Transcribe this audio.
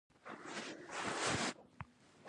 چې د عامو افغانانو نظر کټ مټ زما نظر و.